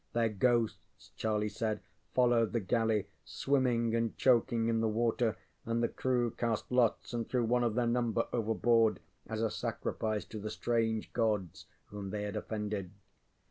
Their ghosts, Charlie said, followed the galley, swimming and choking in the water, and the crew cast lots and threw one of their number overboard as a sacrifice to the strange gods whom they had offended.